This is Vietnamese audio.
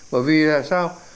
bởi vì sao